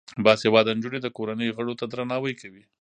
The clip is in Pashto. باسواده نجونې د کورنۍ غړو ته درناوی کوي.